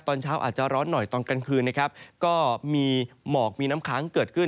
ตอนเช้าอาจจะร้อนหน่อยตอนกลางคืนนะครับก็มีหมอกมีน้ำค้างเกิดขึ้น